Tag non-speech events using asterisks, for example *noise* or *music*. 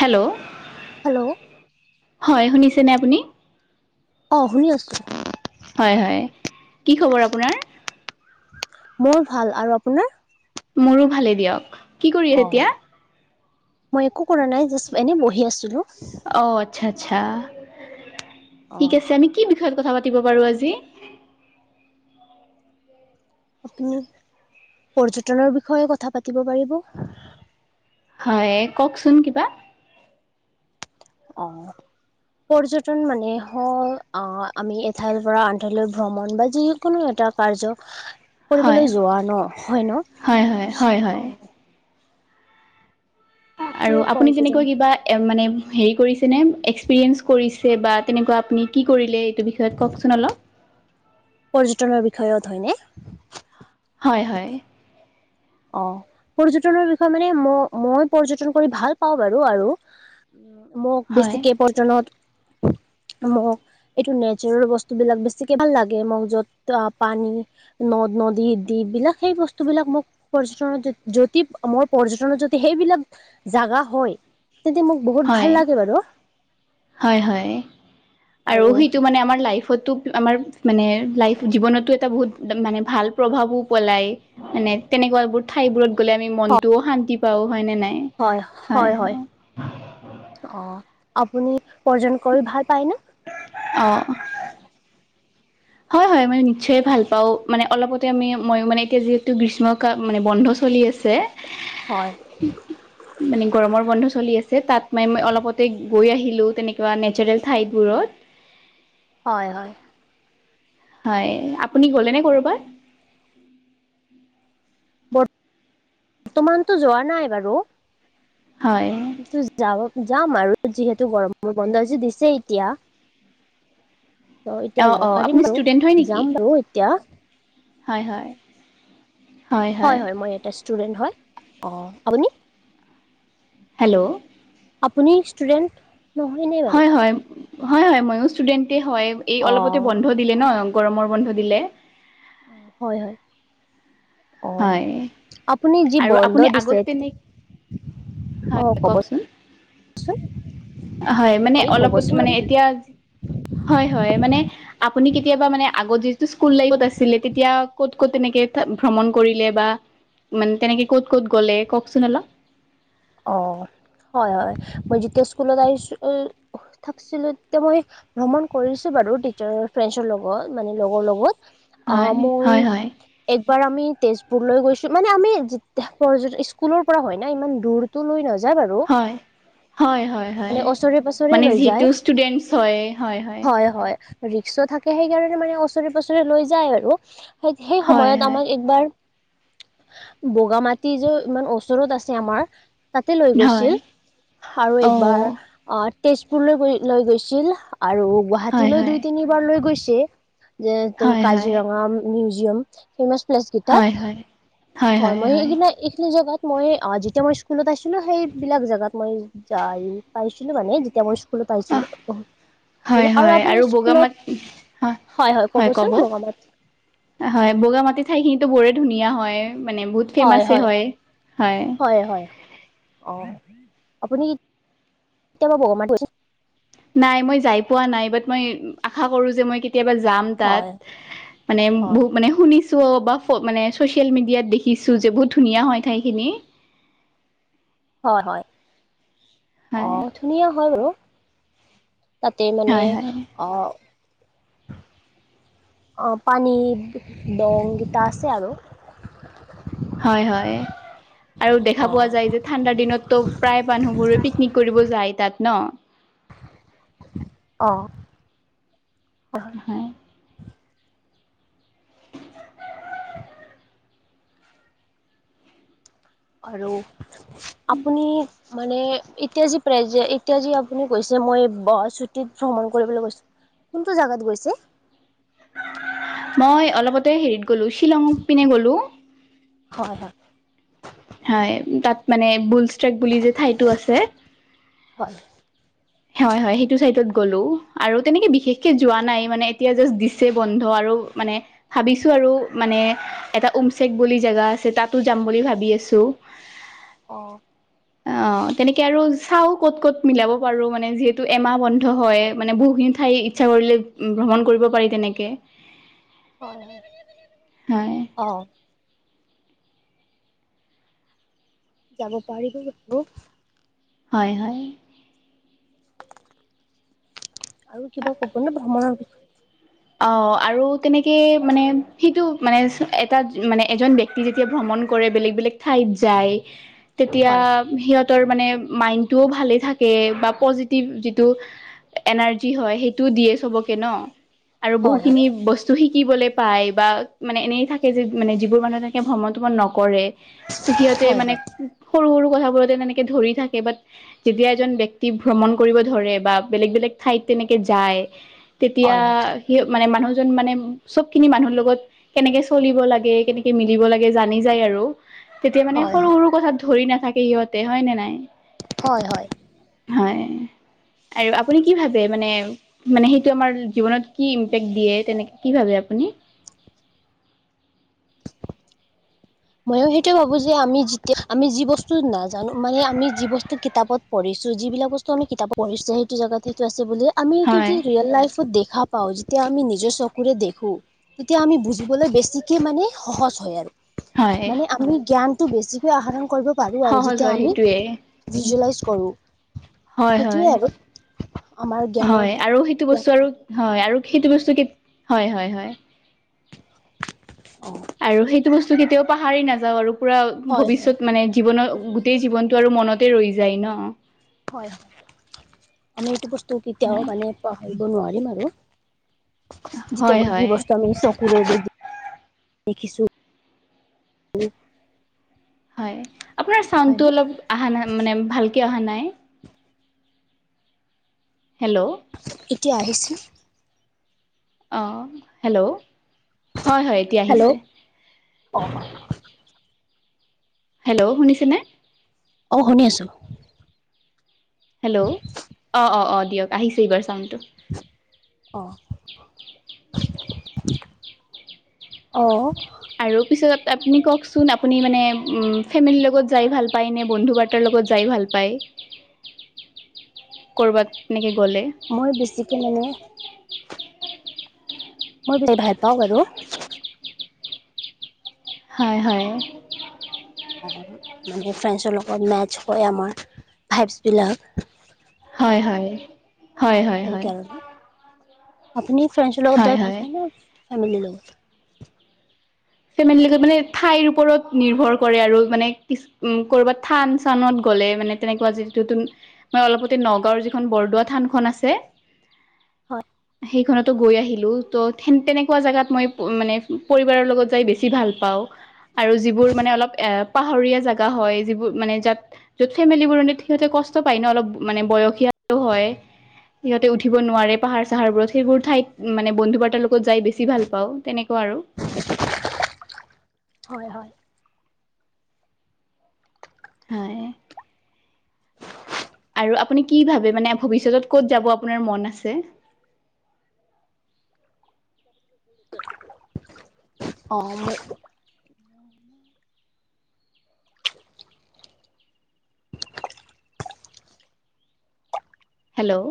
Hello? Hello হয় শুনিছেনে আপুনি? অ শুনি আছো। হয় হয়, কি খবৰ আপোনাৰ? মোৰ ভাল আৰু আপোনাৰ? মোৰো ভালে দিয়ক। কি কৰি আছে অ, এতিয়া মই একো কৰা নাই জাষ্ট এনে বহি আছিলো। অঁ আচ্ছা আচ্ছা, ঠিক আছে আমি কি বিষয়ত কথা পাতিব পাৰোঁ আজি? উ - উম, পৰ্যটনৰ বিষয়ে কথা পাতিব পাৰিব। হয় কওকচোন কিবা? অ অ। পৰ্যটন মানে হও আহ আমি এঠাইৰ পৰা আনঠাইলৈ ভ্ৰমণ বা যি কোনো এটা কাৰ্যক হয়, ন হয় হয় হয় অ হয়। সেইটোৱে আৰু আপুনি পৰ্যটন কেনেকৈ কিবা এ মানে হেৰি কৰিছেনে এক্সপিৰিয়েঞ্চ কৰিছে বা তেনেকুৱা আপুনি কি কৰিলে? টো বিষয়ে কওঁকচোন অলপ। পৰ্যটনৰ বিষয়ত হয়নে? হয় হয়। অ', পৰ্যটনৰ বিষয়ে মানে ম-মই পৰ্যটন কৰি ভাল পাওঁ বাৰু আৰু মোক হয় বেছিকে পৰজনত মোক এইটো নেচাৰেল বস্তুবিলাক বেছিকে ভাল লাগে, মোক য'ত পানী নদ, নদী, দিপবিলাক সেই বস্তু বিলাক মোক পৰ্যটনত *unintelligible* যদি মোৰ পৰ্যটনত যদি সেইবিলাক জাগা হয়, তেন্তে মোক বহুত হয় ভাল লাগে বাৰু। হয় হয়, আৰু সেইটো মানে আমাৰ লাইফতো আমাৰ মানে লাইফ জীৱনতো এটা বহুত মানে ভাল প্ৰভাৱো পেলায়। মানে তেনেকুৱাবোৰ ঠাইবোৰত গ'লে আমি মনটোও শান্তি পাও হয় নে নাই? হয় হয় হয়, অ', আপুনি পৰযন কৰি ভাল পায় নে? অ হয় হয়, মানে নিশ্চয় ভাল পাওঁ মানে অলপতে আমি মই মানে এতিয়া যিহেতু গ্ৰীষ্ম কাল মানে বন্ধ চলি আছে। *unintelligible* হয়। *inaudible* মানে গৰমৰ বন্ধ চলি আছে তাত মাই-মই অলপতে গৈ আহিলোঁ তেনেকুৱা নেচাৰেল ঠাইডবোৰত। হয় হয়। হয়, আপুনি গ'লেনে ক'ৰবাত? বৰ্ত তমানতো যোৱা নাই বাৰু। হয়। যাব-যাম আৰু যিহেতু গৰম বন্ধযে দিছে এতিয়া ত' অ এতিয়া অ যাব আপুনি পাৰিম বাৰু ষ্টুডেণ্ট হয় নেকি যাম বাৰু এতিয়া হয় হয়। হয় হয়, মই এটা ষ্টুডেণ্ট, অ', হয় আপুনি? হেল্ল'। আপুনি ষ্টুডেণ্ট নহয়নে বাৰু? হয় হয়, হয় হয়, ময়ো ষ্টুডেণ্টে হয়। এই অ অলপটে বন্ বন্ধ দিলে ন গৰমৰ বন্ধ দিলে। হয় হয়। অ', হয় আপুনি যি আৰু বন্ধ আপুনি দিছে আগত তেনে হয় অ', ক'ব কওকচোন চোন হয় মানে অলপত মানে এতিয়া, হয় হয়, মানে আপুনি কেতিয়াবা মানে আগত যিহেতু স্কুলত লাইফট আছিলে, তেতিয়া ক'ত ক'ত তেনেকে ভ্ৰমণ কৰিলে বা মানে তেনেকে ক'ত ক'ত গ'লে কওকচোন অলপ। অ', হয় হয়, মই যেতিয়া স্কুলত আহিছো *inaudible* থাকছিলো তেতিয়া মই ভ্ৰমণ কৰিছোঁ বাৰু টিচাৰ ফ্ৰেডছৰ লগত মানে লগৰ লগত। হয় অ', মই হয় হয় একবাৰ আমি তেজপুৰলৈ গৈছোঁ মানে আমি যে স্কুলৰ পৰা হয় না ইমান দূৰ তোলৈ নাযায় বাৰু। হয় হয় হয় হয় মানে ওচৰে পাজৰে মানে লৈ যিহেতু যায়, ষ্টুডেন্টছ হয় হয় হয়। ৰিক্সো থাকে সেইকাৰণে মানে ওচৰে পছৰে লৈ যায় আৰু। সেই সেই হয় হয় সময়ত আমাক একবাৰ বগা মাটি যে ইমান ওচৰত আছে আমাৰ তাতে লৈ হয় গৈছিল আৰু একবাৰ অ' অ তেজপুৰলৈ গৈ লৈ গৈছিল আৰু হয় গুৱাহাটীলৈ হয় দুই তিনিবাৰ লৈ গৈছে। যে ত হয় হয় কাজিৰঙা মিউজিয়াম ফেমাচ প্লেচ হয় কেইটাত হয় হয় মই সেইদিনা এইখিনি জেগাত মই যেতিয়া মই স্কুলত আছিলো সেইবিলাক জেগাত মই যায় পাইছিলো মানে যে তে স্কুলত অ পাইছিলো হয় আৰু হয় আপুনি বগা স্কুলত মাটি হয় হয় ক'বচোন বঙামাটি হয় বগা মাটি ঠাই খিনিতো বৰে ধুনীয়া হয় মানে বহুত ফেমাছে হয় হয় হয় হয় অ আপুনি কেতিয়াবা বগা আছে নাই মই যাই পোৱা নাই বাট মই আশা কৰো যে মই কে কেতিয়াবা যাম তাত হয় মানে হয় বহুত মানে শুনিছো চ' বা মানে ছ'চিয়েল মিডিয়াত দেখিছোঁ যে বহুত ধুনীয়া হয় ঠাইখিনি হয় হয় হয় অহ ধুনীয়া হয় বাৰু তাতে মানে হয় হয় অহ অ' পানী দং কেইটা আছে আৰু। হয় হয় আৰু দেখা অ পোৱা যায় যে ঠাণ্ডাৰ দিনততো প্ৰায় মানুহবোৰে পিকনিক কৰিব যায় তাত ন। অ'। হয় আৰু আপুনি মানে এতিয়া যি প্ৰেজে, এতিয়া যি আপুনি কৈছে মই, ছুটিত ভ্ৰমণ কৰিবলৈ কৈছো কোনটো জাগাত গৈছে। মই অলপতে হেৰিত গ'লো শ্বিলং পিনে গ'লো। হয়, হয়। হয় তাত মানে বুলষ্ট্ৰেক বুলি যে ঠাইতটো আছে। হয়, হয় হয় সেইটো চাইত গলো আৰু তেনেকে বিশেষকে যোৱা নাই মানে এতিয়া জাজ বন্ধ আৰু মানে ভাবিছো আৰু মানে এটা উওম চেক বুলি জেগা আছে তাতো যাম বুলি ভাবি আছো। অ' অ তেনেকে আৰু চাও ক'ত ক'ত মিলাব যিহেতু এমাহ বন্ধ হয় মানে বহুখিনি ঠাই ইচ্ছা কৰিলে ভ্ৰমণ কৰিব পাৰি তেনেকে। *inaudible* হয় অ' যাব পাৰিব লাগিব। হয়, হয়। *unintelligible* অ' আৰু তেনেকে মানে, সেইটো মানে, এটা মানে এজন ব্যক্তি যেতিয়া ভ্ৰমণ কৰে বেলেগ বেলেগ ঠাইত যায় তেতিয়া হয় সিহঁত মানে মাইণ্ড টোও ভালে থাকে বা পজিটিভ যিটো এনাৰ্জি হয় সেইটো দিয়ে চাবকে ন আৰু হয় বহুখিনি বস্তু শিকিবলৈ পায় বা মানে এনেই থাকে যে মানে যিবোৰ মানুহে তেনেকে ভ্ৰমণ শ্ৰমণ নকৰে সিহঁতে হয় হয় মানে হয় সৰু সৰু কথা বোৰতে তেনেকে ধৰি থাকে বাট যেতিয়া এজন ব্যক্তি ভ্ৰমণ কৰিব ধৰে বা বেলেগ বেলেগ ঠাইত তেনেকে যায়। তেতিয়া হয় হয় সি মানে মানুহজন মানে চবখিনি মানুহৰ লগত কেনেকে চলিব লাগে কেনেকে মিলিব লাগে জানি যায় আৰু। তেতিয়া মানে হয় হয় সৰু সৰু কথাত ধৰি নাথাকে সিহঁতে হয় নে নাই। হয় হয়। হয় আৰু আপুনি কি ভাবে মানে মানে সেইটো আমাৰ জীৱনত। কি ইম্পেক্ট দিয়ে তেনেকৈ কি ভাবে আপুনি। মইও সেইটোৱে ভাবো যে আমি যেতিয়া আমি যি বস্তু নাজানো মানে আমি যি বস্তু কিতাপত। পঢ়িছো যিবিলাক বস্তু আমি কিতাপত পঢ়িছো সেইটো জেগাত সেইটো আছে বুলি আমি এইটো হয় ৰিয়েল লাইফত দেখা পাওঁ যেতিয়া আমি নিজৰ চকুৰে দেখো তেতিয়া আমি বুজিবলৈ বেছিকে মানে সহজ হয় আৰু। হয় মানে আমি জ্ঞানতটো বেছিকৈ আহৰণ কৰিব পাৰো আৰু সহজ যেতিয়া হয় আমি। সেইটোৱে ভিজুৱেলাইজ কৰোঁ। হয়, হয়, আমাৰ জ্ঞানৰ হয় আৰু সেইটো জ্ঞান বস্তু আৰু। বাঢ়ে হয় আৰু সেইটো বস্তু কি হয়, হয়, হয়। অ। আৰু সেইটো বস্তু কেতিয়াও পাহাৰী নাযাওঁ আৰু পুৰা হয় হয় ভৱিষ্যত মানে জীৱনৰ গোটেই ভৱিষ্যত জীৱন। অ ত আৰু মনতে ৰৈ যায় ন। হয় হয় আমি এইটো বস্তু কেতিয়াও মানে পাহৰিব নোৱাৰিম আৰু। হয় যেতিয়া যি হয় বস্তু আমি চকুৰে দেখিছো। হয় আপোনাৰ চাউণ্ডটো হয়নে অলপ অহা নাই মানে ভালকে অহা নাই। হেল্লো। এতিয়া আহিছে। অ' হেল্লো', হয়, হয়। এতিয়া হেল্লো' আহিছে অ'। হেল্লো' শুনিছেনে। অ' শুনি আছো। হেল্লো' অঁ অঁ অঁ দিয়ক আহিছে এইবাৰ চাউণ্ডটো। অ। অ। আৰু পিছত আপুনি কওকচোন আপুনি মানে উম ফেমিলিৰ লগত যাই ভাল পায় নে বন্ধু বান্ধৱী, কাৰ লগত যাই ভাল পায় ক'ৰবাত এনেকে গ'লে। মই বেছিকে মানে। মই বিৰাট ভাল পাওঁ বাৰু। হয় হয়। মানে ফ্ৰেণ্ডছৰ লগত মেটছ হয় আমাৰ ভাইভছবিলাক। হয়, হয়, হয়, হয়, হয়। সেইকাৰণে আপুনি ফ্ৰেণ্ডছৰ লগত হয় যাই ভাল হয় পায় ন ফেমিলিৰ লগত। ফেমিলিৰ লগত মানে ঠাইৰ ওপৰত নিৰ্ভৰ কৰে আৰু মানে কিছু উম কৰ'বাত থান চানত গ'লে মানে তেনেকুৱা যিটো। মই অলপতে নগাঁওৰ যিখন বৰদোৱা থানখন আছে। হয় সেইখনতো গৈ আহিলো ত তেনেকুৱা জোগাত মই মানে পৰিবাৰৰ লগত। তই বেছি ভাল পাওঁ আৰু যিবোৰ মানে অলপ এ পাহাৰীয়া জেগা হয় যিবোৰ মানে যাত। য'ত ফেমিলিবোৰ সিহঁতে কষ্ট পায় ন অলপ মানে বয়সীয়া হয়। সিহঁতে উঠিব নোৱাৰে পাহাৰ চাহাৰ বোৰত সেইবোৰ ঠাইত। উম, মানে বন্ধু বাৰ্তাৰ লগত যাই বেছি ভাল পাওঁ তেনেকুৱা আৰু। হয়, হয়। হয়। আৰু আপুনি কি ভাবে মানে ভৱিষ্যতত ক'ত যাব আপোনাৰ মন আছে? অ', মই হেল্ল'?